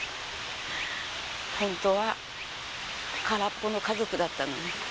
本当は空っぽの家族だったのに。